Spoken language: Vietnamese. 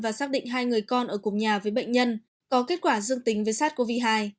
và xác định hai người con ở cùng nhà với bệnh nhân có kết quả dương tính với sars cov hai